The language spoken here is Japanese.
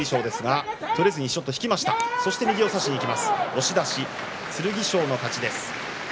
押し出し剣翔の勝ちです。